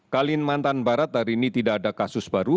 kalimantan barat hari ini tidak ada kasus baru